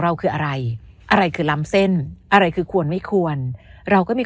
เราคืออะไรอะไรคือล้ำเส้นอะไรคือควรไม่ควรเราก็มี